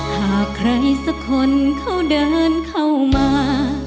หากใครสักคนเขาเดินเข้ามา